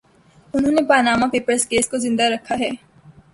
انھوں نے Panama Papers case کو زندہ رکھا ہے۔